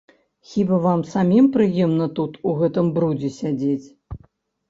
Хіба вам самім прыемна тут у гэтым брудзе сядзець?